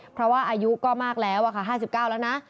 เพราะว่าอายุก็มากแล้วค่ะ๕๙แล้วนะ